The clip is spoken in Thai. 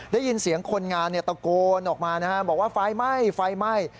ได้ยินเสียงคนงานตะโกนออกมาบอกว่าไฟไหม้ไฟไหม้